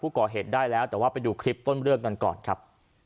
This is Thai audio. ก่อเหตุได้แล้วแต่ว่าไปดูคลิปต้นเรื่องกันก่อนครับ